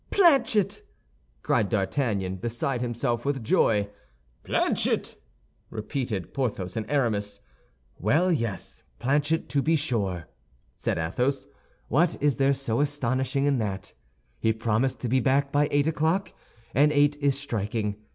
"Planchet!" cried D'Artagnan, beside himself with joy. "Planchet!" repeated Aramis and Porthos. "Well, yes, Planchet, to be sure," said Athos, "what is there so astonishing in that? He promised to be back by eight o'clock, and eight is striking.